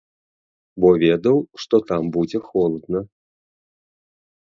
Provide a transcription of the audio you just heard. Бо ведаў, што там будзе холадна.